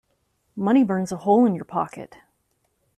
Money burns a hole in your pocket.